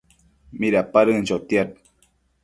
Midapadën chotiad